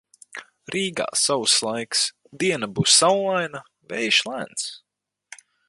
Rīgā sauss laiks, diena būs saulaina, vējš lēns.